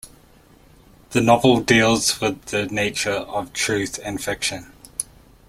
The novel deals with the nature of truth and fiction.